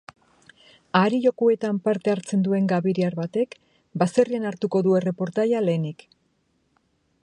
Ahari jokoetan parte hartzen duen gabiriar batek baserrian hartuko du erreportaria lehenik.